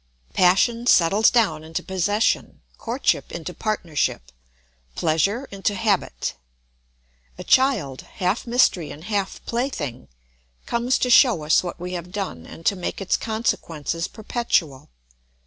Passion settles down into possession, courtship into partnership, pleasure into habit. A child, half mystery and half plaything, comes to show us what we have done and to make its consequences perpetual.